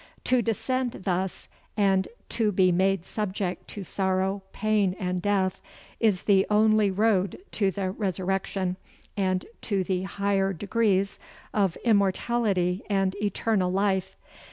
To descend thus, and to be made subject to sorrow, pain and death, is the only road to the resurrection, and to the higher degrees of immortality and eternal life.